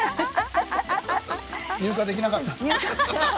乳化できなかった。